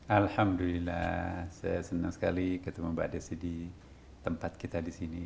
alhamdulillah saya senang sekali ketemu mbak desi di tempat kita di sini